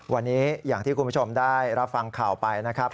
วันนี้อย่างที่คุณผู้ชมได้รับฟังข่าวไปนะครับ